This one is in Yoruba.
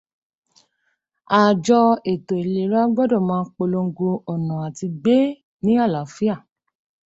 Àjọ ètò ìlera gbọ́dọ̀ máa polongo ọ̀nà àti gbé ní àláàfíà.